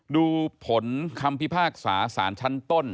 ดูผลคำพิพากษาสารชั้นต้น